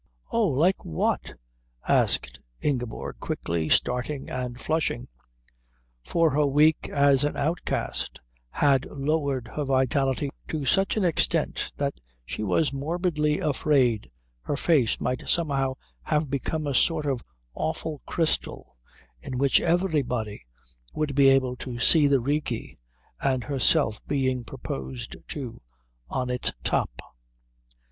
"Oh, like what?" asked Ingeborg quickly, starting and flushing; for her week as an outcast had lowered her vitality to such an extent that she was morbidly afraid her face might somehow have become a sort of awful crystal in which everybody would be able to see the Rigi, and herself being proposed to on its top.